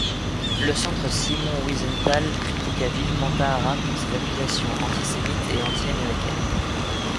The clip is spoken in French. Le Centre Simon Wiesenthal critiqua vivement Tahara pour ses accusations antisémites et antiaméricaines.